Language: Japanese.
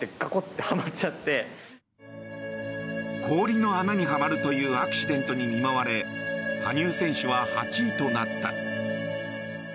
氷の穴にはまるというアクシデントに見舞われ羽生選手は８位となった。